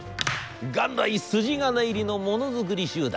元来筋金入りのものづくり集団。